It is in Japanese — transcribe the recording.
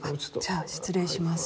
じゃあ失礼します。